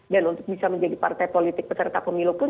dan untuk bisa menjadi partai politik peserta pemilu pun